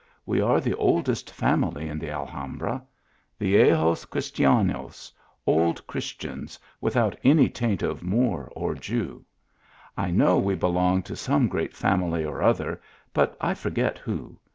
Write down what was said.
We are the oldest family in the Alhambra. Vtejos Cristianos, old Christians, without any taint of Moor or Jew. I know we belong to some great family or other, but I forget who.